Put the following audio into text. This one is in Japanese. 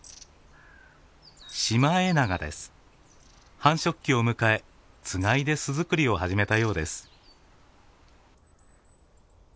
繁殖期を迎えつがいで巣づくりを始めたようです。